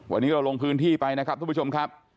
วันนี้เราลงพื้นที่ไปนะครับทุกผู้ชมครับ